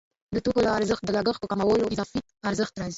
د توکو له ارزښت د لګښت په کمولو اضافي ارزښت راځي